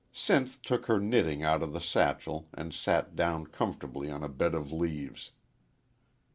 Sinth took her knitting out of the satchel and sat down comfortably on a bed of leaves.